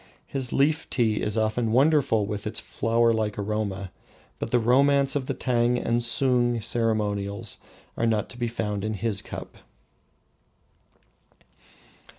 His Leaf tea is often wonderful with its flower like aroma, but the romance of the Tang and Sung ceremonials are not to be found in his cup.